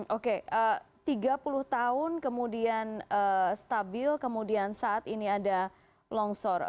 oke tiga puluh tahun kemudian stabil kemudian saat ini ada longsor